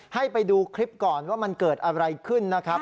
ให้ไปดูคลิปก่อนว่ามันเกิดอะไรขึ้นนะครับ